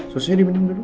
susunya diminum dulu